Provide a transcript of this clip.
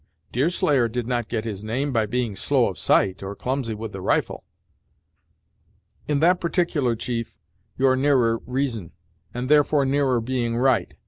Deerslayer did not get his name by being slow of sight, or clumsy with the rifle!" "In that particular, chief, you're nearer reason, and therefore nearer being right.